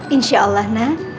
insya allah nak